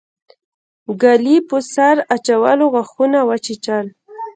ګلي په سر اچولو غاښونه وچيچل.